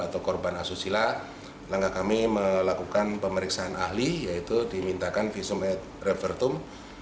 atau korban asusila langkah kami melakukan pemeriksaan ahli yaitu dimintakan visum revertum